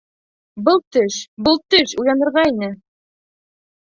Был төш, был төш, уянырға ине.